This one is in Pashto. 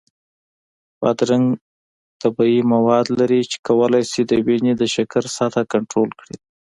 بادرنګ طبیعي مواد لري چې کولی شي د وینې د شکر سطحه کنټرول کړي.